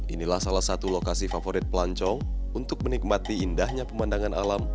inilah salah satu lokasi favorit pelancong untuk menikmati indahnya pemandangan alam